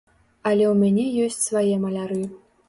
Але ў мяне ёсць свае маляры.